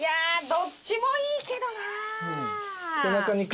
どっちもいいな。